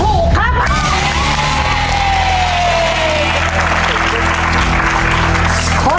ถูกครับครับ